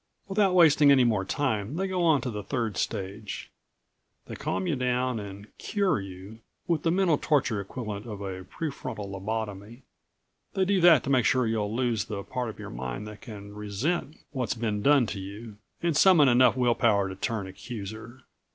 Without wasting any more time they go on to the third stage. They calm you down and "cure" you with the mental torture equivalent of a prefrontal lobotomy. They do that to make sure you'll lose the part of your mind that can resent what's been done to you, and summon enough will power to turn accuser.